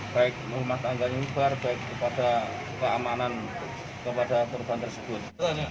baik umat tangga nyubar baik kepada keamanan kepada korban tersebut